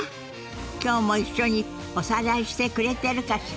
今日も一緒におさらいしてくれてるかしら？